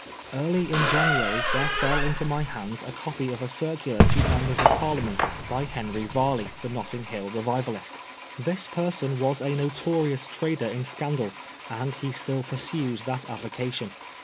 Early in January there fell into my hands a copy of a circular to Members of Parliament by Henry Varley, the Netting Hill revivalist. This person was a notorious trader in scandal, and he still pursues that avocation.